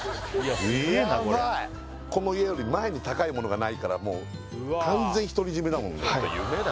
ヤバイこの家より前に高いものがないからもう完全独り占めだもんはい